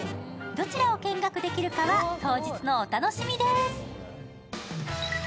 どちらを見学できるかは当日のお楽しみです。